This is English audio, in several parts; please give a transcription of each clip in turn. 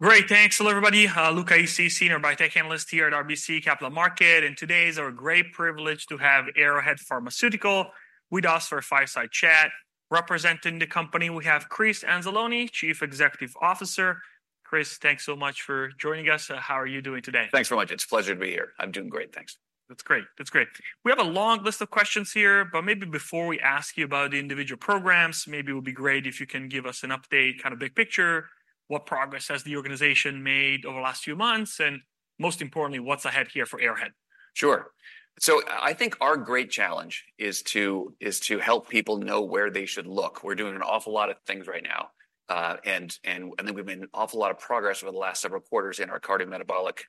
Great, thanks. Hello, everybody, Luca Issi, Senior Biotech Analyst here at RBC Capital Markets, and today is our great privilege to have Arrowhead Pharmaceuticals with us for a fireside chat. Representing the company, we have Chris Anzalone, Chief Executive Officer. Chris, thanks so much for joining us. How are you doing today? Thanks very much. It's a pleasure to be here. I'm doing great, thanks. That's great. That's great. We have a long list of questions here, but maybe before we ask you about the individual programs, maybe it would be great if you can give us an update, kind of big picture, what progress has the organization made over the last few months, and most importantly, what's ahead here for Arrowhead? Sure. So I think our great challenge is to help people know where they should look. We're doing an awful lot of things right now, and I think we've made an awful lot of progress over the last several quarters in our cardiometabolic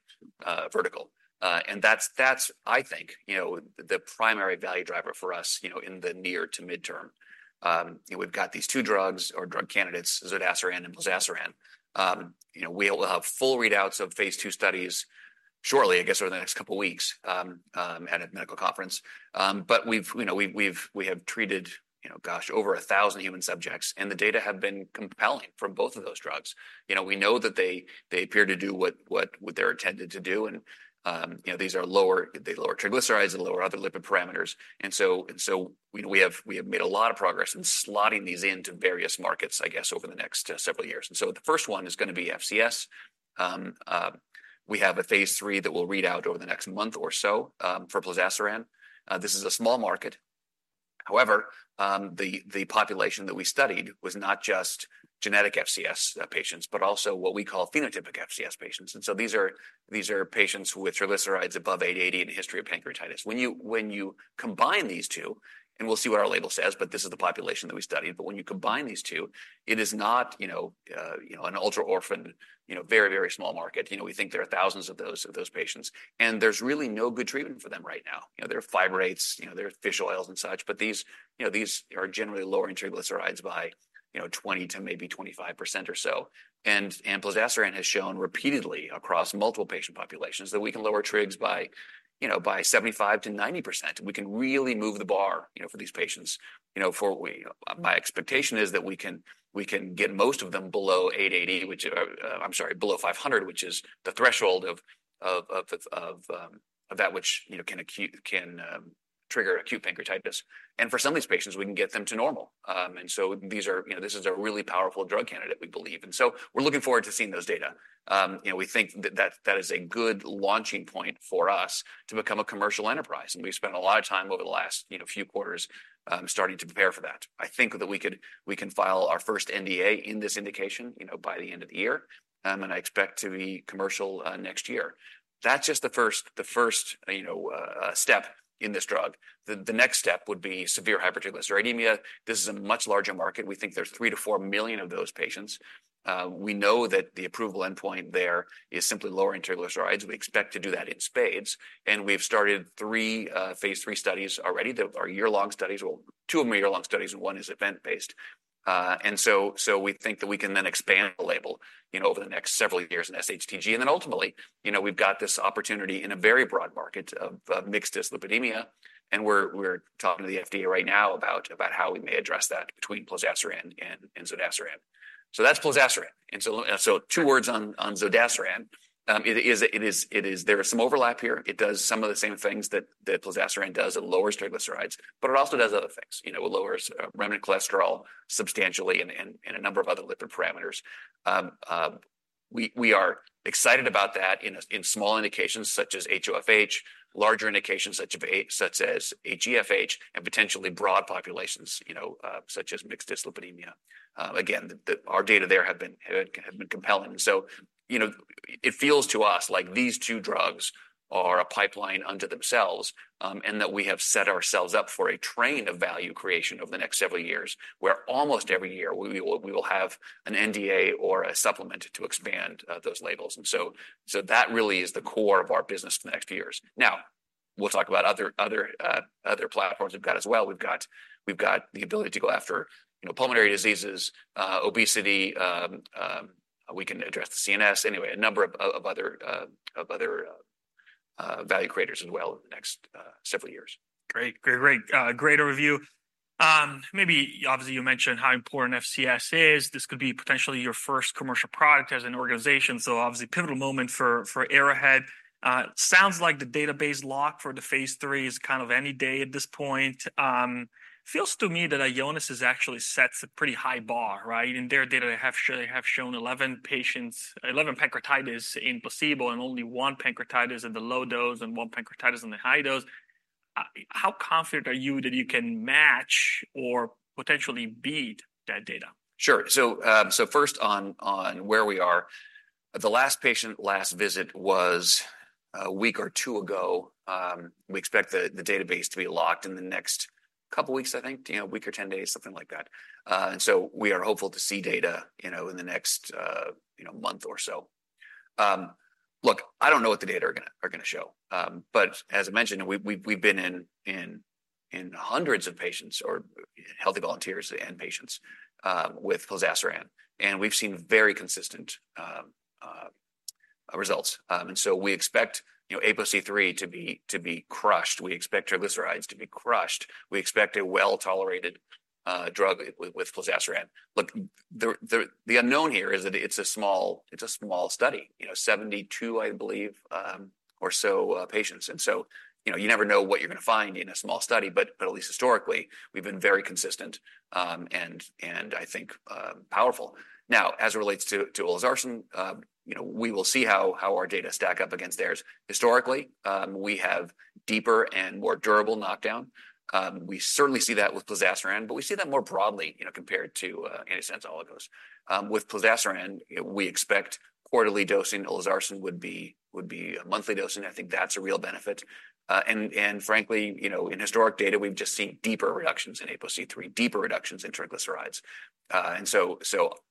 vertical. And that's, I think, you know, the primary value driver for us, you know, in the near to midterm. We've got these two drugs or drug candidates, zodasiran and plozasiran. You know, we'll have full readouts of phase II studies shortly, I guess, over the next couple of weeks at a medical conference. But we've, you know, we have treated, you know, gosh, over 1,000 human subjects, and the data have been compelling from both of those drugs. You know, we know that they appear to do what they're intended to do, and, you know, they lower triglycerides and lower other lipid parameters. And so we have made a lot of progress in slotting these into various markets, I guess, over the next several years. And so the first one is going to be FCS. We have a phase III that will read out over the next month or so, for plozasiran. This is a small market. However, the population that we studied was not just genetic FCS patients, but also what we call phenotypic FCS patients. And so these are patients with triglycerides above 880 and a history of pancreatitis. When you combine these two, and we'll see what our label says, but this is the population that we studied, but when you combine these two, it is not, you know, you know, an ultra-orphan, you know, very, very small market. You know, we think there are thousands of those patients, and there's really no good treatment for them right now. You know, there are fibrates, you know, there are fish oils and such, but these, you know, these are generally lowering triglycerides by, you know, 20 to maybe 25% or so. And plozasiran has shown repeatedly across multiple patient populations that we can lower trigs by, you know, by 75%-90%. We can really move the bar, you know, for these patients. You know, for we, my expectation is that we can get most of them below 880, which, I'm sorry, below 500, which is the threshold of that which, you know, can trigger acute pancreatitis. And for some of these patients, we can get them to normal. And so these are you know, this is a really powerful drug candidate, we believe. And so we're looking forward to seeing those data. You know, we think that is a good launching point for us to become a commercial enterprise, and we've spent a lot of time over the last, you know, few quarters, starting to prepare for that. I think that we can file our first NDA in this indication, you know, by the end of the year, and I expect to be commercial, next year. That's just the first, the first, you know, step in this drug. The next step would be severe hypertriglyceridemia. This is a much larger market. We think there's 3-4 million of those patients. We know that the approval endpoint there is simply lowering triglycerides. We expect to do that in spades, and we've started three phase III studies already. They are year-long studies. Well, two of them are year-long studies, and one is event-based. And so we think that we can then expand the label, you know, over the next several years in SHTG. And then ultimately, you know, we've got this opportunity in a very broad market of mixed dyslipidemia, and we're talking to the FDA right now about how we may address that between plozasiran and zodasiran. So that's plozasiran. And so two words on zodasiran. There is some overlap here. It does some of the same things that plozasiran does. It lowers triglycerides, but it also does other things. You know, it lowers remnant cholesterol substantially and a number of other lipid parameters. We are excited about that in small indications such as HoFH, larger indications such as HeFH, and potentially broad populations, you know, such as mixed dyslipidemia. Again, our data there have been compelling. So, you know, it feels to us like these two drugs are a pipeline unto themselves, and that we have set ourselves up for a train of value creation over the next several years, where almost every year we will have an NDA or a supplement to expand those labels. And so that really is the core of our business for the next few years. Now, we'll talk about other platforms we've got as well. We've got the ability to go after, you know, pulmonary diseases, obesity, we can address the CNS. Anyway, a number of other value creators as well in the next several years. Great. Great, great. Great overview. Maybe, obviously, you mentioned how important FCS is. This could be potentially your first commercial product as an organization, so obviously, pivotal moment for, for Arrowhead. Sounds like the database lock for the phase III is kind of any day at this point. Feels to me that Ionis has actually set a pretty high bar, right? In their data, they have shown, they have shown 11 patients- 11 pancreatitis in placebo and only one pancreatitis in the low dose and one pancreatitis in the high dose. How confident are you that you can match or potentially beat that data? Sure. So, so first on, on where we are, the last patient, last visit was a week or two ago. We expect the, the database to be locked in the next couple of weeks, I think, you know, a week or 10 days, something like that. And so we are hopeful to see data, you know, in the next, you know, month or so. Look, I don't know what the data are gonna show, but as I mentioned, we've been in hundreds of patients or healthy volunteers and patients, with plozasiran, and we've seen very consistent results. And so we expect, you know, apoC-III to be, to be crushed. We expect triglycerides to be crushed. We expect a well-tolerated drug with plozasiran. Look, the unknown here is that it's a small, it's a small study. You know, 72, I believe, or so, patients. And so, you know, you never know what you're gonna find in a small study, but at least historically, we've been very consistent, and I think powerful. Now, as it relates to olezarsen, you know, we will see how our data stack up against theirs. Historically, we have deeper and more durable knockdown. We certainly see that with plozasiran, but we see that more broadly, you know, compared to antisense oligos. With plozasiran, we expect quarterly dosing. Olezarsen would be a monthly dosing. I think that's a real benefit. And frankly, you know, in historic data, we've just seen deeper reductions in apoC-III, deeper reductions in triglycerides. And so,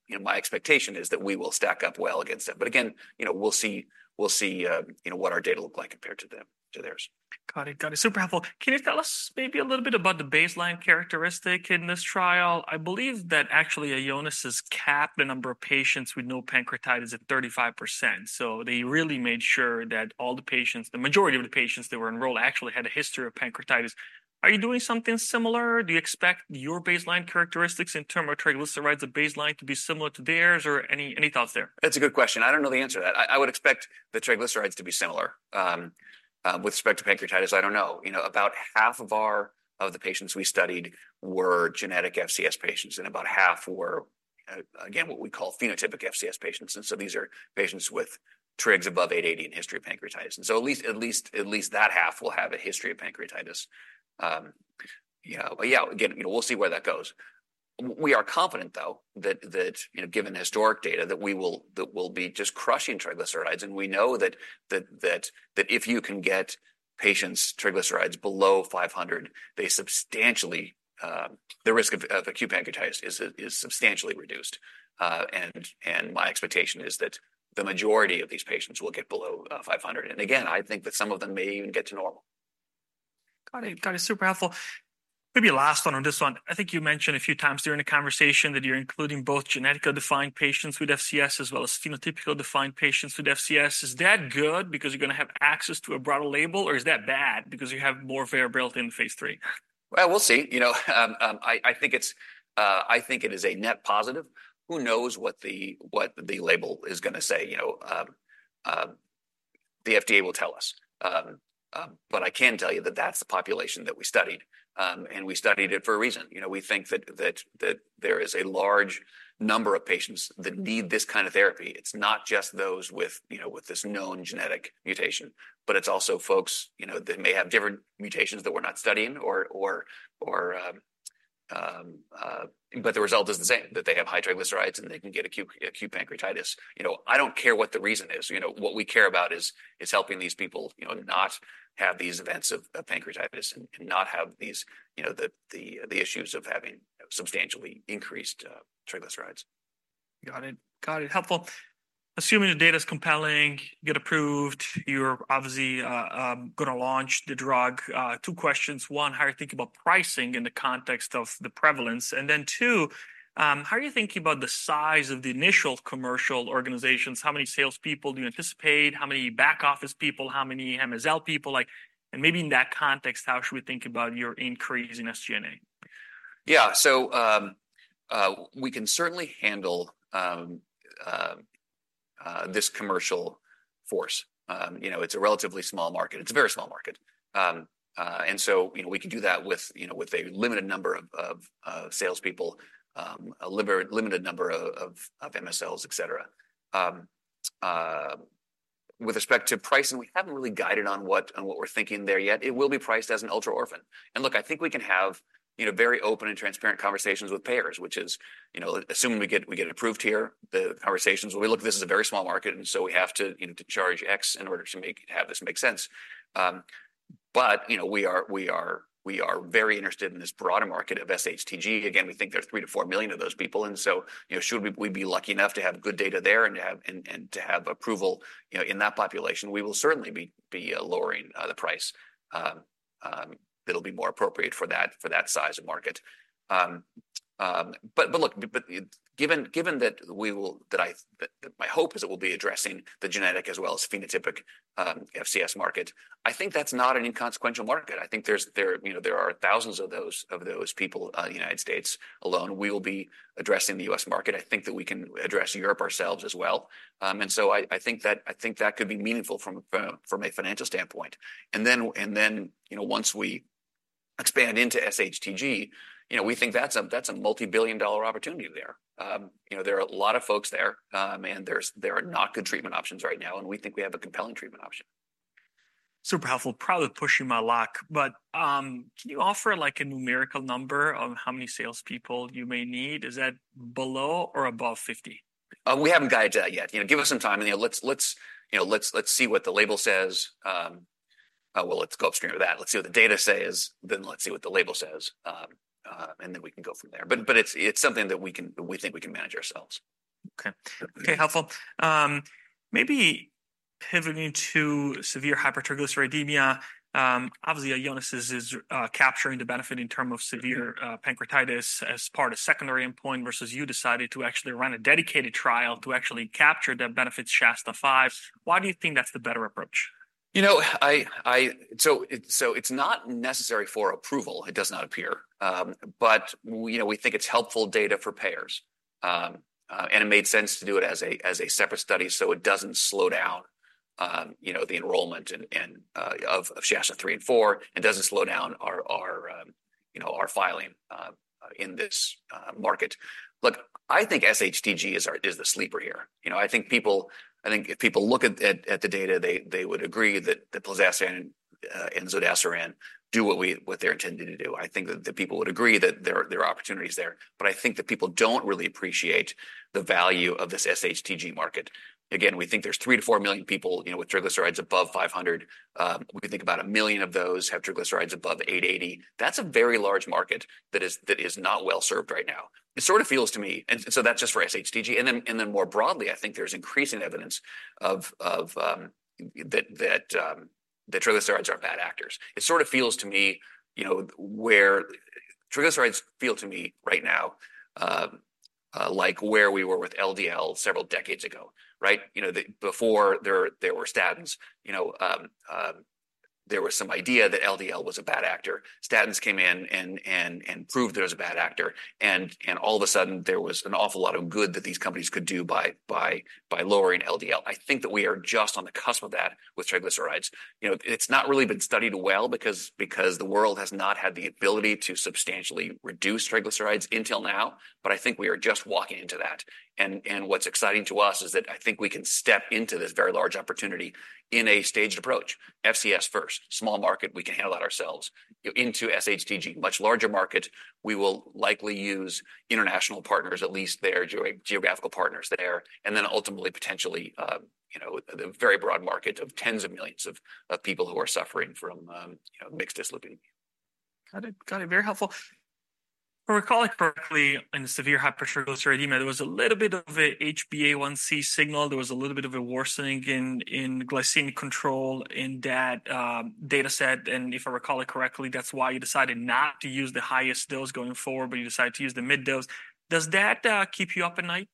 you know, my expectation is that we will stack up well against them. But again, you know, we'll see, we'll see, you know, what our data look like compared to them, to theirs. Got it, got it. Super helpful. Can you tell us maybe a little bit about the baseline characteristic in this trial? I believe that actually Ionis has capped the number of patients with no pancreatitis at 35%, so they really made sure that all the patients, the majority of the patients that were enrolled actually had a history of pancreatitis. Are you doing something similar? Do you expect your baseline characteristics in terms of triglycerides at baseline to be similar to theirs, or any, any thoughts there? That's a good question. I don't know the answer to that. I, I would expect the triglycerides to be similar. With respect to pancreatitis, I don't know. You know, about half of our, of the patients we studied were genetic FCS patients, and about half were, again, what we call phenotypic FCS patients, and so these are patients with trigs above 880 and history of pancreatitis. And so at least, at least, at least that half will have a history of pancreatitis. You know, but yeah, again, you know, we'll see where that goes. We are confident, though, that, that, you know, given the historic data, that we will-- that we'll be just crushing triglycerides, and we know that, that, that, that if you can get patients' triglycerides below 500, they substantially the risk of, of acute pancreatitis is, is substantially reduced. And my expectation is that the majority of these patients will get below 500. And again, I think that some of them may even get to normal. Got it. Got it. Super helpful. Maybe last one on this one. I think you mentioned a few times during the conversation that you're including both genetically defined patients with FCS as well as phenotypically defined patients with FCS. Is that good because you're gonna have access to a broader label, or is that bad because you have more variability in phase III? Well, we'll see. You know, I think it is a net positive. Who knows what the label is gonna say? You know, the FDA will tell us. But I can tell you that that's the population that we studied, and we studied it for a reason. You know, we think that there is a large number of patients that need this kind of therapy. It's not just those with, you know, with this known genetic mutation, but it's also folks, you know, that may have different mutations that we're not studying or, but the result is the same, that they have high triglycerides, and they can get acute pancreatitis. You know, I don't care what the reason is. You know, what we care about is helping these people, you know, not have these events of pancreatitis and not have these, you know, the issues of having substantially increased triglycerides. Got it. Got it. Helpful. Assuming the data's compelling, get approved, you're obviously gonna launch the drug. Two questions: One, how you think about pricing in the context of the prevalence, and then two, how are you thinking about the size of the initial commercial organizations? How many salespeople do you anticipate? How many back office people, how many MSL people, like... And maybe in that context, how should we think about your increase in SG&A? Yeah. So, we can certainly handle this commercial force. You know, it's a relatively small market. It's a very small market. And so, you know, we can do that with a limited number of salespeople, a limited number of MSLs, et cetera. With respect to pricing, we haven't really guided on what we're thinking there yet. It will be priced as an ultra orphan. Look, I think we can have, you know, very open and transparent conversations with payers, which is, you know, assuming we get approved here, the conversations will be, "Look, this is a very small market, and so we have to, you know, to charge X in order to make this make sense." But you know, we are very interested in this broader market of SHTG. Again, we think there are 3-4 million of those people, and so, you know, should we be lucky enough to have good data there and to have approval, you know, in that population, we will certainly be lowering the price. It'll be more appropriate for that size of market. But given that my hope is that we'll be addressing the genetic as well as phenotypic FCS market, I think that's not an inconsequential market. I think there's, you know, there are thousands of those people in the United States alone. We will be addressing the U.S. market. I think that we can address Europe ourselves as well. And so I think that could be meaningful from a financial standpoint. And then, you know, once we expand into SHTG, we think that's a multibillion-dollar opportunity there. You know, there are a lot of folks there, and there are not good treatment options right now, and we think we have a compelling treatment option. Super helpful. Probably pushing my luck, but, can you offer, like, a numerical number of how many salespeople you may need? Is that below or above 50? We haven't guided that yet. You know, give us some time, and, you know, let's see what the label says. Well, let's go upstream of that. Let's see what the data says, then let's see what the label says. And then we can go from there. But it's something that we can, we think we can manage ourselves. Okay. Okay, helpful. Pivoting to severe hypertriglyceridemia, obviously, Ionis is capturing the benefit in terms of severe pancreatitis as part of secondary endpoint, versus you decided to actually run a dedicated trial to actually capture the benefits SHASTA-5. Why do you think that's the better approach? You know, so it's not necessary for approval, it does not appear. But you know, we think it's helpful data for payers. And it made sense to do it as a separate study, so it doesn't slow down you know, the enrollment and of SHASTA-3 and 4, and doesn't slow down our filing in this market. Look, I think SHTG is the sleeper here. You know, I think if people look at the data, they would agree that the plozasiran and zodasiran do what they're intending to do. I think that the people would agree that there are opportunities there. But I think that people don't really appreciate the value of this SHTG market. Again, we think there's 3-4 million people, you know, with triglycerides above 500. We can think about 1 million of those have triglycerides above 880. That's a very large market that is not well served right now. It sort of feels to me... So that's just for SHTG. And then more broadly, I think there's increasing evidence that triglycerides are bad actors. It sort of feels to me, you know, where triglycerides feel to me right now, like where we were with LDL several decades ago, right? You know, there was some idea that LDL was a bad actor. Statins came in and proved it was a bad actor, and all of a sudden, there was an awful lot of good that these companies could do by lowering LDL. I think that we are just on the cusp of that with triglycerides. You know, it's not really been studied well because the world has not had the ability to substantially reduce triglycerides until now, but I think we are just walking into that. And what's exciting to us is that I think we can step into this very large opportunity in a staged approach. FCS first, small market, we can handle that ourselves. Into SHTG, much larger market, we will likely use international partners, at least there, geographical partners there, and then ultimately, potentially, you know, the very broad market of tens of millions of people who are suffering from, you know, mixed dyslipidemia. Got it. Got it. Very helpful. If I recall it correctly, in severe hypertriglyceridemia, there was a little bit of a HbA1c signal. There was a little bit of a worsening in glycemic control in that data set, and if I recall it correctly, that's why you decided not to use the highest dose going forward, but you decided to use the mid dose. Does that keep you up at night?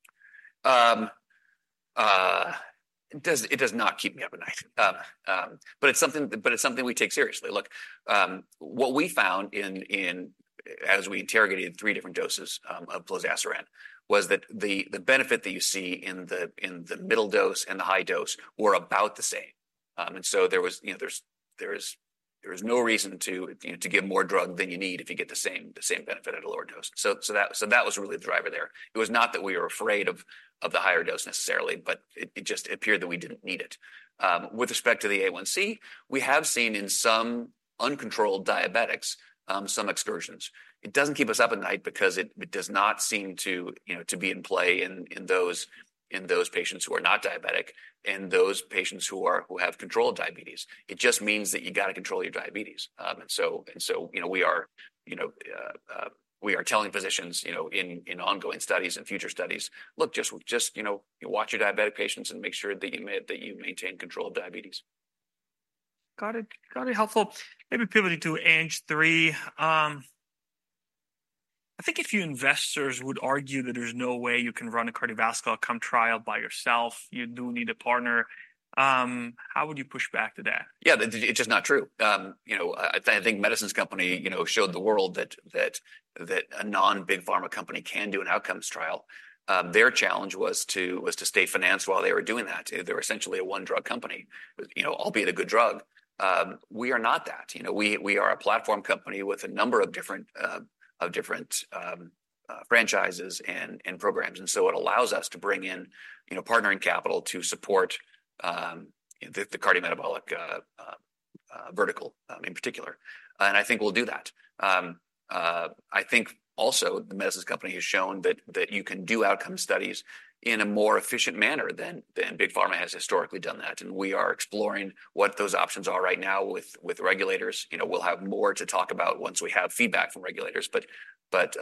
It does not keep me up at night. But it's something we take seriously. Look, what we found in—as we interrogated three different doses of plozasiran, was that the benefit that you see in the middle dose and the high dose were about the same. And so there was, you know, there is no reason to, you know, to give more drug than you need if you get the same benefit at a lower dose. So that was really the driver there. It was not that we were afraid of the higher dose necessarily, but it just appeared that we didn't need it. With respect to the A1c, we have seen in some uncontrolled diabetics some excursions. It doesn't keep us up at night because it, it does not seem to, you know, to be in play in, in those, in those patients who are not diabetic, and those patients who have controlled diabetes. It just means that you got to control your diabetes. And so, and so, you know, we are, you know, we are telling physicians, you know, in, in ongoing studies and future studies: "Look, just, just, you know, watch your diabetic patients and make sure that you maintain control of diabetes. Got it. Got it. Helpful. Maybe pivoting to ANGPTL3. I think a few investors would argue that there's no way you can run a cardiovascular outcome trial by yourself. You do need a partner. How would you push back to that? Yeah, that it's just not true. You know, I think The Medicines Company showed the world that a non-big pharma company can do an outcomes trial. Their challenge was to stay financed while they were doing that. They were essentially a one-drug company, you know, albeit a good drug. We are not that. You know, we are a platform company with a number of different franchises and programs. And so it allows us to bring in, you know, partnering capital to support the cardiometabolic vertical in particular. And I think we'll do that. I think also The Medicines Company has shown that you can do outcome studies in a more efficient manner than Big Pharma has historically done that, and we are exploring what those options are right now with regulators. You know, we'll have more to talk about once we have feedback from regulators. But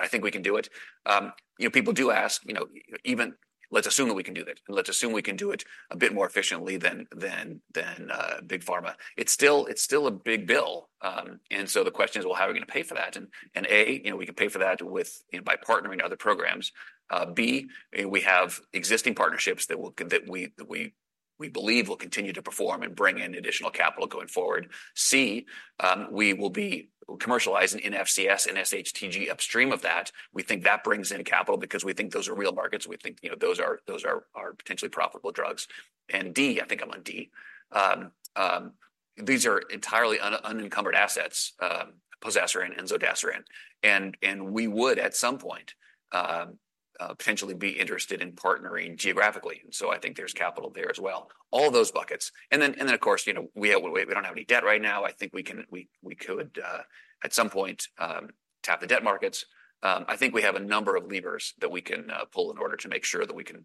I think we can do it. You know, people do ask, you know, even let's assume that we can do it, and let's assume we can do it a bit more efficiently than Big Pharma. It's still a big bill, and so the question is: Well, how are we gonna pay for that? And you know, we can pay for that with, you know, by partnering other programs. B, we have existing partnerships that we believe will continue to perform and bring in additional capital going forward. C, we will be commercializing in FCS and SHTG upstream of that. We think that brings in capital because we think those are real markets. We think, you know, those are potentially profitable drugs. And D, I think I'm on D. These are entirely unencumbered assets, plozasiran and zodasiran, and we would, at some point, potentially be interested in partnering geographically. So I think there's capital there as well. All those buckets. And then, of course, you know, we don't have any debt right now. I think we could, at some point, tap the debt markets. I think we have a number of levers that we can pull in order to make sure that we can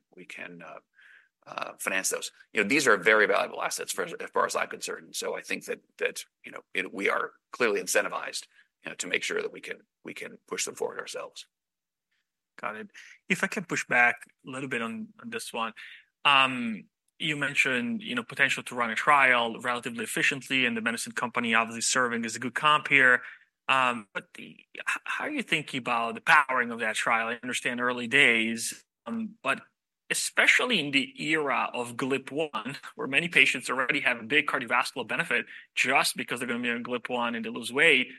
finance those. You know, these are very valuable assets as far as I'm concerned, so I think that you know, we are clearly incentivized, you know, to make sure that we can push them forward ourselves. Got it. If I could push back a little bit on this one. You mentioned, you know, potential to run a trial relatively efficiently, and the Medicines Company obviously serving as a good comp here. But how are you thinking about the powering of that trial? I understand early days, but especially in the era of GLP-1, where many patients already have a big cardiovascular benefit just because they're gonna be on GLP-1, and they lose weight,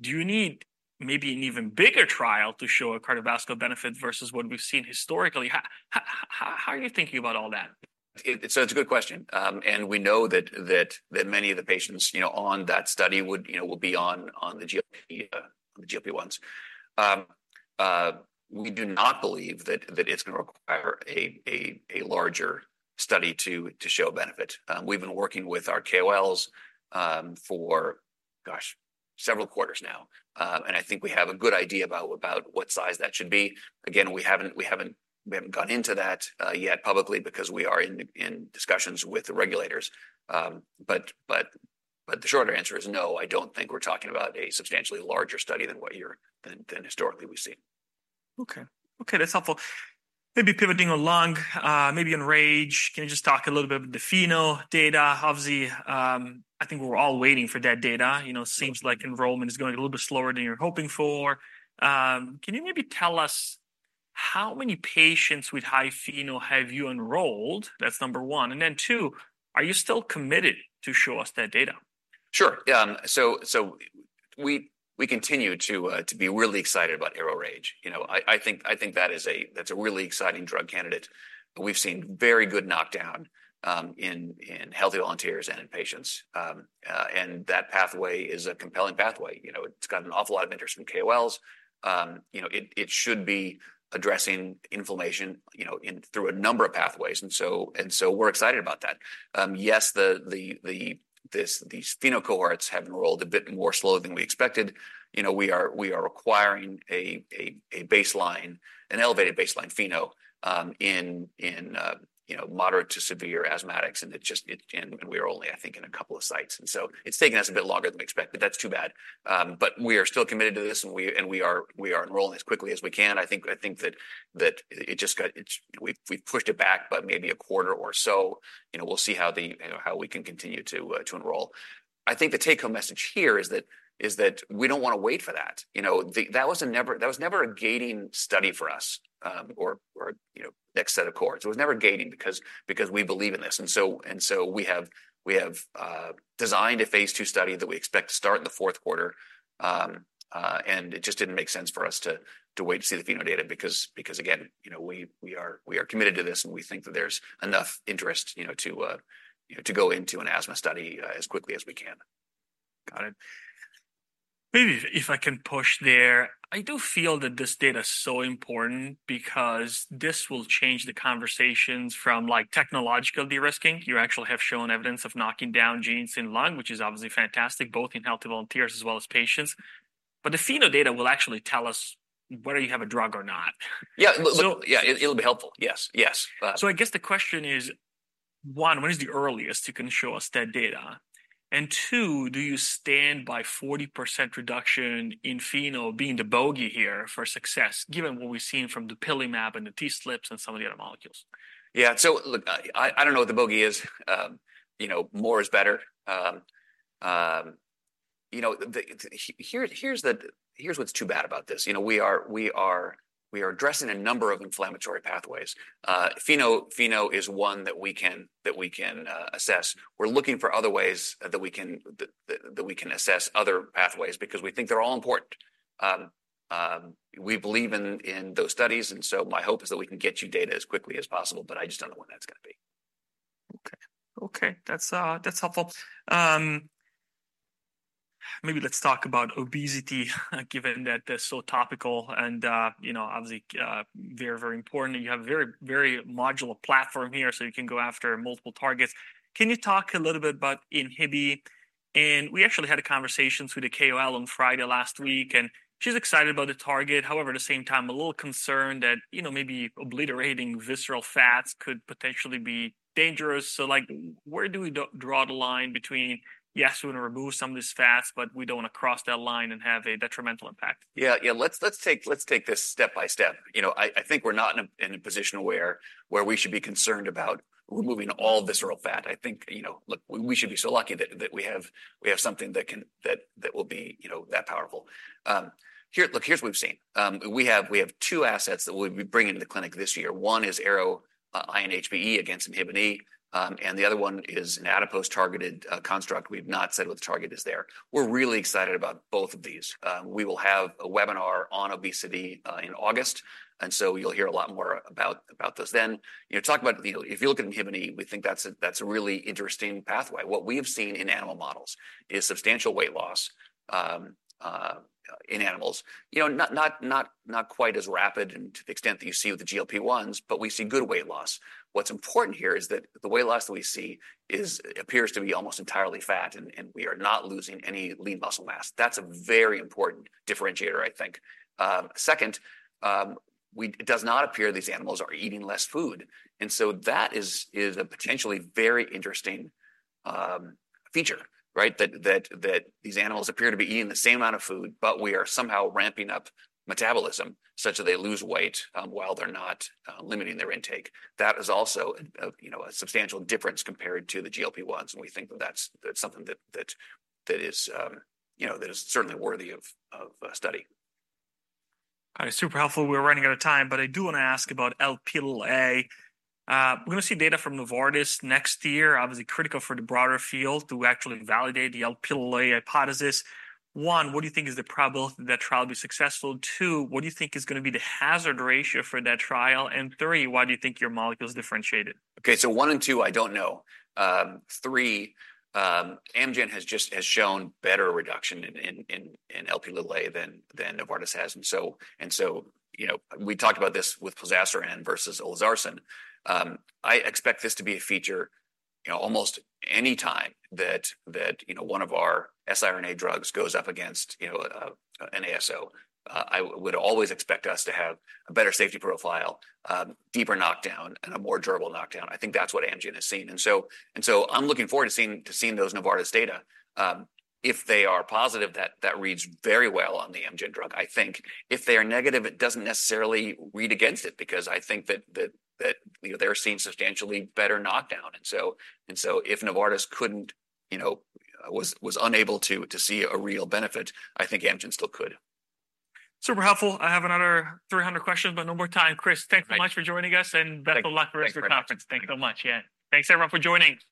do you need maybe an even bigger trial to show a cardiovascular benefit versus what we've seen historically? How are you thinking about all that? So it's a good question. And we know that many of the patients, you know, on that study would, you know, will be on the GLP-1s. We do not believe that it's gonna require a larger study to show benefit. We've been working with our KOLs for, gosh, several quarters now. And I think we have a good idea about what size that should be. Again, we haven't gone into that yet publicly because we are in discussions with the regulators. But the shorter answer is no, I don't think we're talking about a substantially larger study than what you're, than historically we've seen. Okay. Okay, that's helpful. Maybe pivoting along, maybe on RAGE. Can you just talk a little bit about the FeNO data? Obviously, I think we're all waiting for that data. You know, seems like enrollment is going a little bit slower than you're hoping for. Can you maybe tell us how many patients with high FeNO have you enrolled? That's number one. And then two, are you still committed to show us that data? Sure. So we continue to be really excited about ARO-RAGE. You know, I think that is a really exciting drug candidate, but we've seen very good knockdown in healthy volunteers and in patients. And that pathway is a compelling pathway. You know, it's got an awful lot of interest from KOLs. You know, it should be addressing inflammation, you know, in through a number of pathways, and so we're excited about that. Yes, these FeNO cohorts have enrolled a bit more slowly than we expected. You know, we are acquiring an elevated baseline FeNO in, you know, moderate to severe asthmatics, and it just and we are only, I think, in a couple of sites. And so it's taking us a bit longer than expected, but that's too bad. But we are still committed to this, and we are enrolling as quickly as we can. I think that it just got—it's—we've pushed it back by maybe a quarter or so. You know, we'll see how the, you know, how we can continue to enroll. I think the take-home message here is that we don't wanna wait for that. You know, that was never a gating study for us, or next set of cohorts. It was never gating because we believe in this. And so we have designed a phase II study that we expect to start in the fourth quarter. It just didn't make sense for us to wait to see the FeNO data because again, you know, we are committed to this, and we think that there's enough interest, you know, to go into an asthma study as quickly as we can. Got it. Maybe if I can push there, I do feel that this data is so important because this will change the conversations from, like, technological de-risking. You actually have shown evidence of knocking down genes in lung, which is obviously fantastic, both in healthy volunteers as well as patients. But the FeNO data will actually tell us whether you have a drug or not. Yeah. Yeah, it'll be helpful. Yes, yes. So I guess the question is, one, when is the earliest you can show us that data? And two, do you stand by 40% reduction in FeNO being the bogey here for success, given what we've seen from dupilumab and the TSLPs and some of the other molecules? Yeah. So look, I don't know what the bogey is. You know, more is better. You know, here's what's too bad about this. You know, we are addressing a number of inflammatory pathways. FeNO, FeNO is one that we can assess. We're looking for other ways that we can assess other pathways because we think they're all important. We believe in those studies, and so my hope is that we can get you data as quickly as possible, but I just don't know when that's gonna be. Okay. Okay, that's helpful. Maybe let's talk about obesity, given that that's so topical and, you know, obviously, very, very important. You have a very, very modular platform here, so you can go after multiple targets. Can you talk a little bit about inhibin? And we actually had a conversation with a KOL on Friday last week, and she's excited about the target. However, at the same time, a little concerned that, you know, maybe obliterating visceral fats could potentially be dangerous. So, like, where do we draw the line between, yes, we want to remove some of these fats, but we don't want to cross that line and have a detrimental impact? Yeah, yeah, let's take this step by step. You know, I think we're not in a position where we should be concerned about removing all visceral fat. I think, you know, look, we should be so lucky that we have something that can, that will be, you know, that powerful. Here, look, here's what we've seen. We have two assets that we bring into the clinic this year. One is ARO-INHBE against inhibin E, and the other one is an adipose-targeted construct. We've not said what the target is there. We're really excited about both of these. We will have a webinar on obesity in August, and so you'll hear a lot more about this then. You know, talk about the if you look at inhibin E, we think that's a really interesting pathway. What we have seen in animal models is substantial weight loss in animals. You know, not quite as rapid and to the extent that you see with the GLP-1s, but we see good weight loss. What's important here is that the weight loss that we see appears to be almost entirely fat, and we are not losing any lean muscle mass. That's a very important differentiator, I think. Second, it does not appear these animals are eating less food, and so that is a potentially very interesting feature, right? That these animals appear to be eating the same amount of food, but we are somehow ramping up metabolism such that they lose weight, while they're not limiting their intake. That is also a you know a substantial difference compared to the GLP-1s, and we think that that's something that that is you know that is certainly worthy of study. Got it. Super helpful. We're running out of time, but I do want to ask about Lp(a). We're going to see data from Novartis next year, obviously critical for the broader field to actually validate the Lp(a) hypothesis. One, what do you think is the probability that trial will be successful? Two, what do you think is going to be the hazard ratio for that trial? And three, why do you think your molecule is differentiated? Okay, so 1 and 2, I don't know. 3, Amgen has just shown better reduction in Lp than Novartis has. And so, you know, we talked about this with plozasiran versus olezarsen. I expect this to be a feature, you know, almost any time that one of our siRNA drugs goes up against an ASO. I would always expect us to have a better safety profile, deeper knockdown, and a more durable knockdown. I think that's what Amgen has seen. And so, I'm looking forward to seeing those Novartis data. If they are positive, that reads very well on the Amgen drug. I think if they are negative, it doesn't necessarily read against it because I think that, you know, they're seeing substantially better knockdown. And so if Novartis couldn't, you know, was unable to see a real benefit, I think Amgen still could. Super helpful. I have another 300 questions, but no more time. Chris, thanks so much for joining us, and- Thank you... best of luck for the rest of the conference. Thanks very much. Thank you so much. Yeah. Thanks, everyone, for joining.